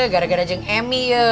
gara gara jeng emi ya